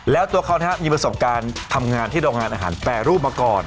แล้วตัวเขามีประสบการณ์ทำงานที่โรงงานอาหารแปรรูปมาก่อน